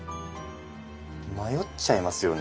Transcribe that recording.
迷っちゃいますよね。